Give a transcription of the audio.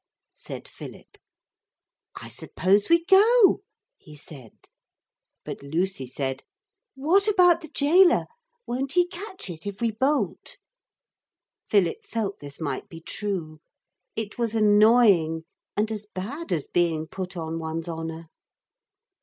said Philip. 'I suppose we go?' he said. But Lucy said, 'What about the gaoler? Won't he catch it if we bolt?' Philip felt this might be true. It was annoying, and as bad as being put on one's honour.